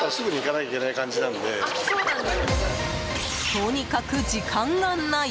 とにかく時間がない。